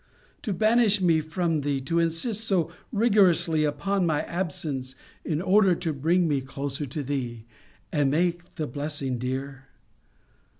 To banish me from thee, to insist so rigorously upon my absence, in order to bring me closer to thee, and make the blessing dear?